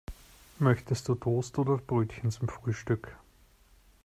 Möchtest du Toast oder Brötchen zum Frühstück?